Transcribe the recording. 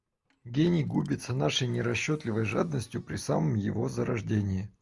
Гений губится нашей нерасчетливой жадностью при самом его зарождении.